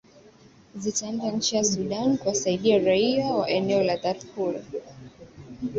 zitaendea nchi ya sudan kuwasaidia raia wa eneo la darfur